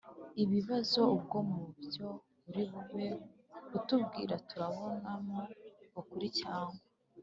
ibibazo. Ubwo mu byo uri bube utubwira turabonamo ukuri cyangwa